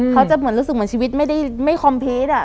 เขาจะรู้สึกเหมือนชีวิตไม่คอมเพจ